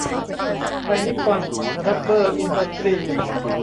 ไทยนิปปอนรับเบอร์อินดัสตรี้